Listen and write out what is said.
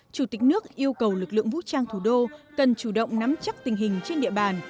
chủ tịch nước yêu cầu lực lượng vũ trang thủ đô cần chủ động nắm chắc tình hình trên địa bàn